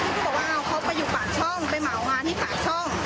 ก็บอกว่าเอาเขาไปอยู่ปากช่องไปเหมางานที่ปากช่อง